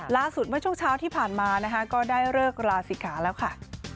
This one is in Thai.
เมื่อช่วงเช้าที่ผ่านมานะคะก็ได้เลิกราศิขาแล้วค่ะ